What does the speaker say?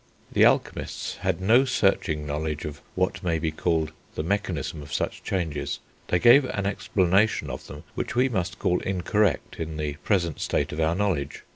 The alchemists had no searching knowledge of what may be called the mechanism of such changes; they gave an explanation of them which we must call incorrect, in the present state of our knowledge.